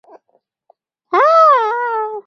菲茨罗维亚是伦敦最富裕的地区之一。